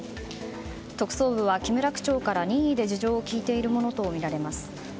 特捜部は木村区長から任意で事情を聴いているものとみられます。